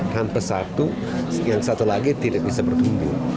tanpa satu yang satu lagi tidak bisa bertumbuh